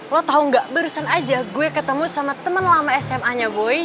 lo tau gak barusan aja gue ketemu sama temen lama sma nya boy